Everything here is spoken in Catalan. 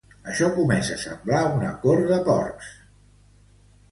Això comença a semblar una cort de porcs!